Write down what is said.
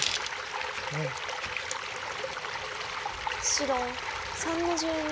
白３の十二。